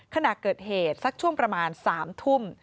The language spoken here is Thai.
ขณะเกิดเหตุสักช่วงประมาณ๓ทุ่ม